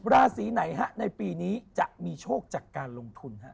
ราศีไหนฮะในปีนี้จะมีโชคจากการลงทุนฮะ